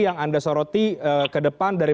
yang anda soroti ke depan dari